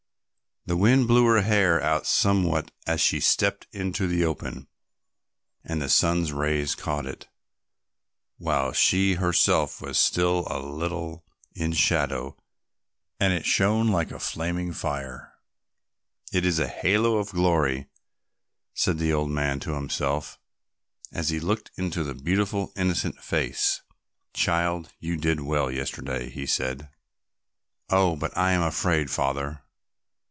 The wind blew her hair out somewhat as she stepped into the open, and the sun's rays caught it, while she herself was still a little in shadow and it shone like a flaming fire. "It is a halo of glory," said the old man to himself as he looked into the beautiful innocent face. "Child, you did well yesterday," he said. "Oh, but I am afraid, Father."